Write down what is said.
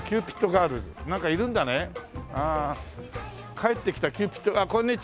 帰ってきたキューピッドあっこんにちは。